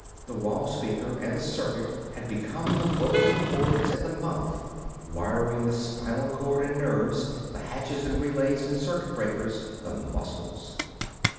The wall speaker and circuit had become the vocal cords and mouth, the wiring the spinal cord and nerves, the hatches and relays and circuit breakers the muscles.